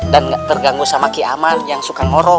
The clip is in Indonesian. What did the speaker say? nggak terganggu sama ki aman yang suka ngorok